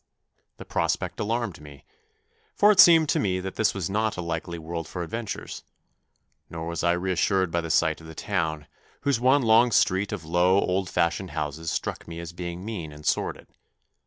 The prospect alarmed me, for it seemed to me that this was not a likely world for adventures ; nor was I re assured by the sight of the town, whose one long street of low, old fashioned houses struck me as being mean and sordid.